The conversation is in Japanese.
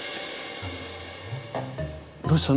どうしたの？